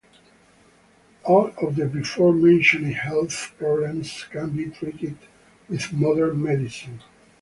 All of the before mentioned health problems can be treated with modern medicine.